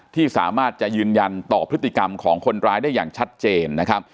ที่สามารถจะยืนยันต่อพฤติกรรมของคนร้ายได้อย่างชัดเจนนะครับ